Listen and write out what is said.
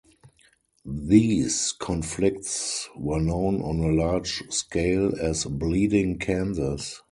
These conflicts were known on a large scale as Bleeding Kansas.